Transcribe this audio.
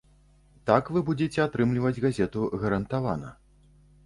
Так вы будзеце атрымліваць газету гарантавана.